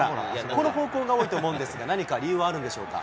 この方向が多いと思うんですが、何か理由はあるんでしょうか？